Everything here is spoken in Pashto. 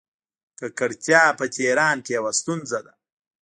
ککړتیا په تهران کې یوه ستونزه ده.